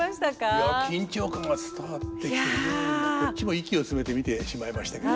いや緊張感が伝わってきて非常にこっちも息を詰めて見てしまいましたけど。